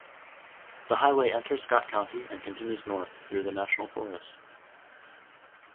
The highway enters Scott County and continues north through the national forest.